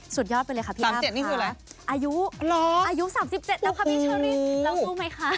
สุดยอดไปเลยค่ะพี่๓๗นี่คืออะไรอายุ๓๗แล้วค่ะพี่เชอรี่เราสู้ไหมคะ